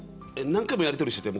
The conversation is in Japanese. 何回もやりとりしていて。